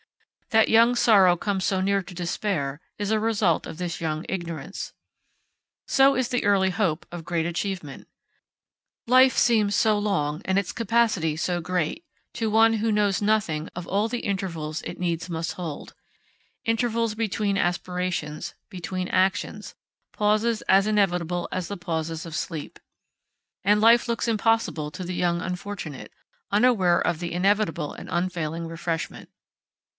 That young sorrow comes so near to despair is a result of this young ignorance. So is the early hope of great achievement. Life seems so long, and its capacity so great, to one who knows nothing of all the intervals it needs must hold intervals between aspirations, between actions, pauses as inevitable as the pauses of sleep. And life looks impossible to the young unfortunate, unaware of the inevitable and unfailing refreshment.